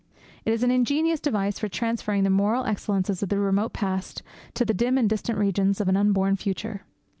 It is an ingenious device for transferring the moral excellences of the remote past to the dim and distant regions of an unborn future.